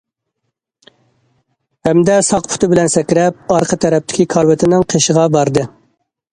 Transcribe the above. ھەمدە ساق پۇتى بىلەن سەكرەپ ئارقا تەرەپتىكى كارىۋىتىنىڭ قېشىغا باردى.